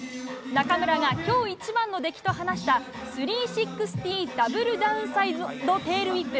中村が今日一番の出来と話した３６０ダブルダウンサイドテールウィップ。